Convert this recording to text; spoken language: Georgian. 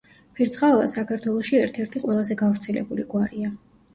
ფირცხალავა საქართველოში ერთ-ერთი ყველაზე გავრცელებული გვარია.